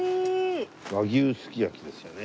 和牛すき焼きですよね。